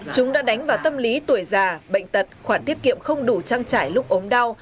chúng đã đánh vào tâm lý tuổi già bệnh tật khoản tiết kiệm không đủ trang trải lúc ốm đau